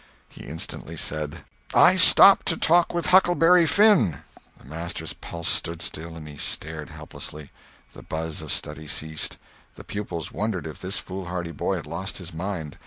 He instantly said: "I stopped to talk with Huckleberry Finn!" The master's pulse stood still, and he stared helplessly. The buzz of study ceased. The pupils wondered if this foolhardy boy had lost his mind.